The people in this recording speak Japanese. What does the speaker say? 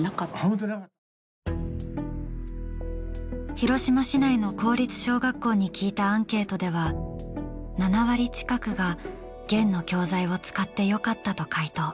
広島市内の公立小学校に聞いたアンケートでは７割近くが『ゲン』の教材を使ってよかったと回答。